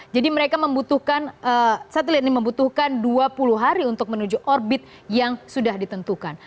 jadi mereka membutuhkan satelit ini membutuhkan dua puluh hari untuk menuju orbit yang sudah ditentukan